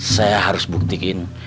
saya harus buktikan